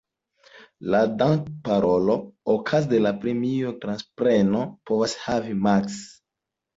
La dank-"parolo" okaze de la premio-transpreno povas havi maks.